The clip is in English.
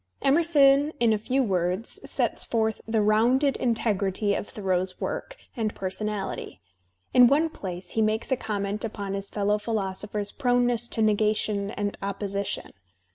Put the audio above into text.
Emerson in a few words s«ts forth the rounded integrity of Thoreau's work and personality; in one place Ift makes a comment upon his fellow philosopher's proneness to negation and opposition.